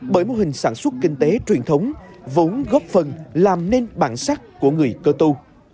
bởi mô hình sản xuất kinh tế truyền thống vốn góp phần làm nên bản sắc của người cơ tu